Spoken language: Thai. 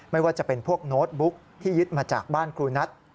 ไม่ว่าจะเป็นพวกโน้ตบุ๊กที่ยึดมาจากบ้านครูนัท